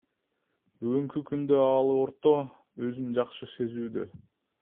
Бүгүнкү күндө абалы орто, өзүн жакшы сезүүдө.